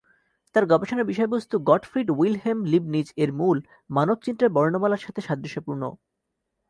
তার গবেষণার বিষয়বস্তু গটফ্রিড উইলহেম লিবনিজ এর মূল "মানব চিন্তার বর্ণমালা"র সাথে সাদৃশ্যপূর্ণ।